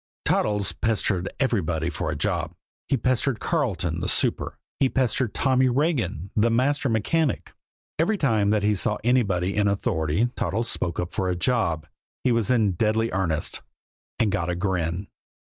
Toddles pestered everybody for a job. He pestered Carleton, the super. He pestered Tommy Regan, the master mechanic. Every time that he saw anybody in authority Toddles spoke up for a job, he was in deadly earnest and got a grin.